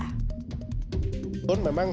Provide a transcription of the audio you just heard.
halim ini kan stasiunnya